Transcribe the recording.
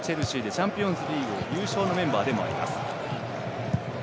チャンピオンズリーグ優勝のメンバーでもあります。